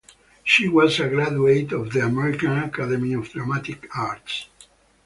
She was a graduate of the American Academy of Dramatic Arts.